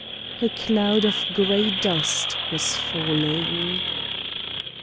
A cloud of grey dust was falling.